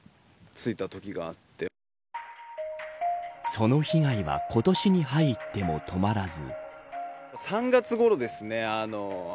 その被害は今年に入っても止まらず。